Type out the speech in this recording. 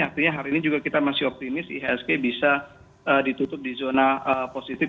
artinya hari ini juga kita masih optimis ihsg bisa ditutup di zona positif